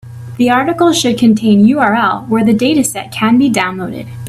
The article should contain URL where the dataset can be downloaded.